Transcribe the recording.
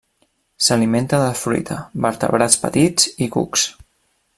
S'alimenta de fruita, vertebrats petits i cucs.